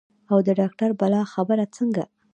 او د ډاکتر بلال خبره څنګه.